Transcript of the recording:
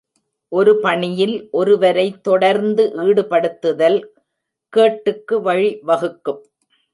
ஒரு பணியில் ஒருவரை தொடர்ந்து ஈடுபடுத்துதல் கேட்டுக்கு வழி வகுக்கும்.